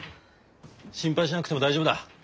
心配しなくても大丈夫だ。